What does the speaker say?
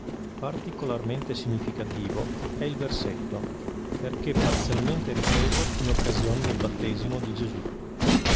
Particolarmente significativo è il versetto: perché parzialmente ripreso in occasione del Battesimo di Gesù.